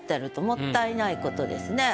もったいない事ですね。